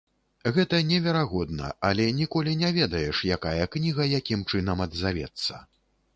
Гэта неверагодна, але ніколі не ведаеш, якая кніга якім чынам адзавецца.